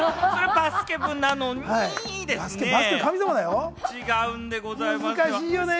バスケ部なのにですね、違うんでございますよ。